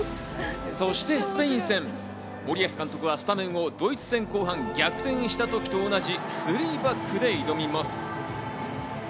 そしてスペイン戦、森保監督は、ドイツ戦の後半、逆転した時と同じ３バックで挑みます。